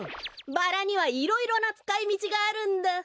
バラにはいろいろなつかいみちがあるんだ。